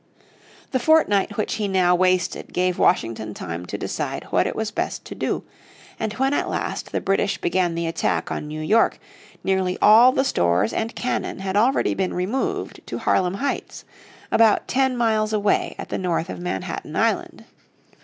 The fortnight which he now wasted gave Washington time to decide what it was best to do, and when at last the British began the attack on New York nearly all the stores and cannon had already been removed to Harlem Heights, about ten miles away at the north of Manhattan Island.